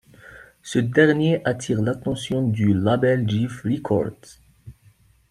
Ce dernier attire l'attention du label Jive Records.